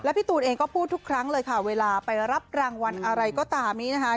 พี่ตูนเองก็พูดทุกครั้งเลยค่ะเวลาไปรับรางวัลอะไรก็ตามนี้นะคะ